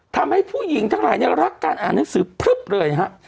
ทำให้ผู้หญิงทั้งหลายเนี่ยรักการอ่านหนังสือพลึบเลยฮะ